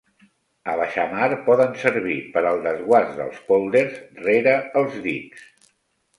A baixamar poden servir per al desguàs dels pòlders rere els dics.